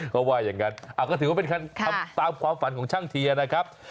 เขาว่าอย่างนั้นก็ถือว่าเป็นทำตามความฝันของช่างเทียนะครับ